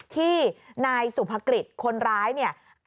ที่นายสุภกฤษคนร้ายเนี่ย